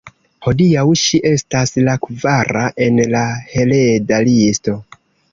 Hodiaŭ ŝi estas la kvara en la hereda listo.